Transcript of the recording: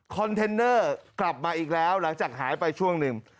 เทนเนอร์กลับมาอีกแล้วหลังจากหายไปช่วงหนึ่ง